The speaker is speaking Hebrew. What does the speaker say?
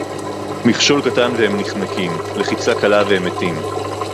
מִכְשׁוֹל קָטָן וְהֵם נֶחֱנָקִים, לְחִיצָה קַלָּה וְהֵם מֵתִים